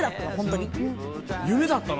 夢だったの？